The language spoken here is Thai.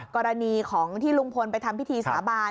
กรณีของที่ลุงพลไปทำพิธีสาบาน